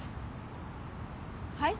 はい？